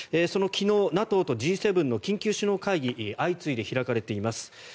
その昨日、ＮＡＴＯとＧ７の緊急首脳会議が相次いで開かれています。